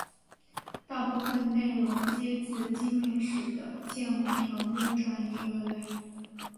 大部分内容皆自精灵使的剑舞条目转移而来。